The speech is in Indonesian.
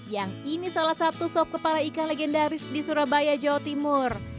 yang ini salah satu sop kepala ikan legendaris di surabaya jawa timur